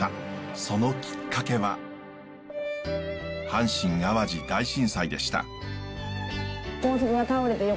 そのきっかけは阪神・淡路大震災でした。